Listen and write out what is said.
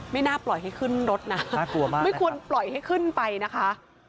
ไม่น่าปล่อยให้ขึ้นรถนะไม่ควรปล่อยให้ขึ้นไปนะคะ